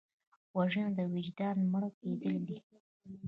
وژنه د وجدان مړه کېدل دي